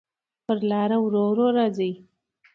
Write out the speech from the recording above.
پر لاره ورو، ورو راځې